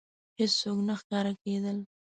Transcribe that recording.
هېڅوک نه ښکاره کېدل.